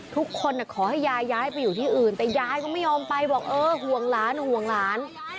ขอให้ยายย้ายไปอยู่ที่อื่นแต่ยายก็ไม่ยอมไปบอกเออห่วงหลานห่วงหลาน